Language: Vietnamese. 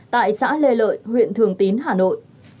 tại xã lê lợi huyện thường tín hà nội